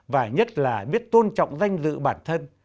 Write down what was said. và nhất là biết tôn trọng danh dự bản thân